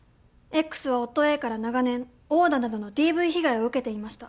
Ｘは夫Ａから長年殴打などのＤＶ被害を受けていました。